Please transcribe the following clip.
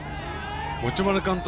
持丸監督